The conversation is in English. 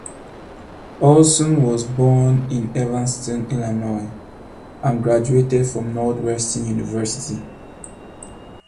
Olson was born in Evanston, Illinois, and graduated from Northwestern University.